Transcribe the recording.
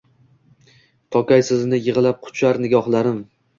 Tokay sizni yigʼlab quchar nigohlarim?!